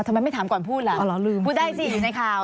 ทำไมไม่ถามก่อนพูดล่ะพูดได้สิอยู่ในข่าว